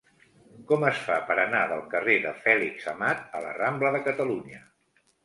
Com es fa per anar del carrer de Fèlix Amat a la rambla de Catalunya?